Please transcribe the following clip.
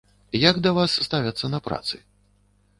Як да вас ставяцца на працы?